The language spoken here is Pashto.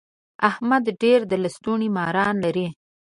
احمد ډېر د لستوڼي ماران لري.